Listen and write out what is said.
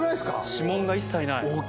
指紋が一切ない。